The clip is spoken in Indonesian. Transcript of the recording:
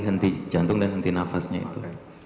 henti jantung dan henti nafasnya itu